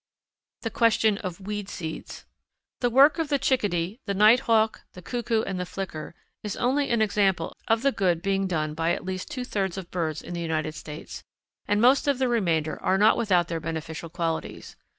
The Question of the Weed Seeds. The work of the Chickadee, the Nighthawk, the Cuckoo, and the Flicker is only an example of the good being done by at least two thirds of birds in the United States, and most of the remainder are not without their beneficial qualities.